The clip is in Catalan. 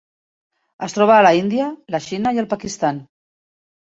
Es troba a l'Índia, la Xina i el Pakistan.